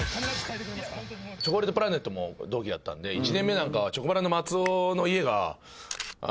チョコレートプラネットも同期だったんで１年目なんかはチョコプラの松尾の家が。